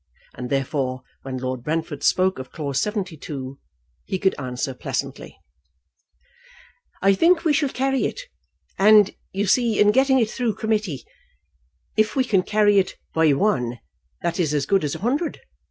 And therefore, when Lord Brentford spoke of Clause 72, he could answer pleasantly, "I think we shall carry it; and, you see, in getting it through committee, if we can carry it by one, that is as good as a hundred.